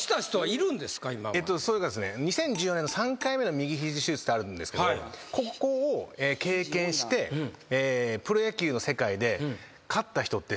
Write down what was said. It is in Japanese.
それがですね２０１４年の３回目の右肘手術ってあるんですけどここを経験してプロ野球の世界で勝った人って。